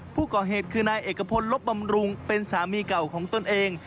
ผู้ก่อเหตุคือนายเอกพลลบบำรุงเป็นสามีเก่าของตนเอง